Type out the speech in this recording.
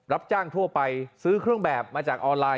รับจ้างทั่วไปซื้อเครื่องแบบมาจากออนไลน